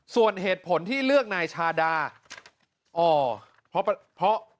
ส่วนเหตุผลที่เลือกในชาดา